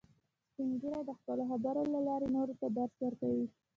سپین ږیری د خپلو خبرو له لارې نورو ته درس ورکوي